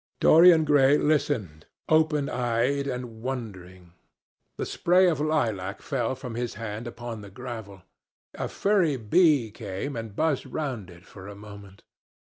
Dorian Gray listened, open eyed and wondering. The spray of lilac fell from his hand upon the gravel. A furry bee came and buzzed round it for a moment.